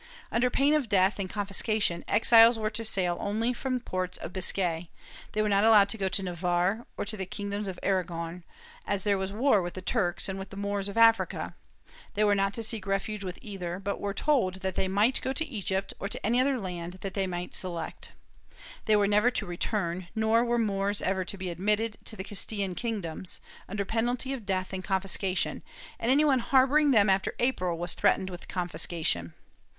Under pain of death and confiscation, the exiles were to sail only from ports of Biscay; they were not allowed to go to Navarre or the kingdoms of Aragon ; as there was war with the Turks and with the Moors of Africa, they were not to seek refuge with either, but were told that they might go to Egypt or to any other land that they might select. They were never to return, nor were Moors ever to be admitted to the Castilian kingdoms, under penalty of death and confis cation, and any one harboring them after April was threatened with confiscation.